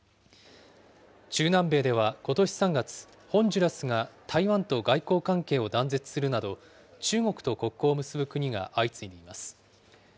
中南米ではことし３月、ホンジュラスが台湾と外交関係を断絶するなど、中国と国交を結ぶ国が相次いでいます。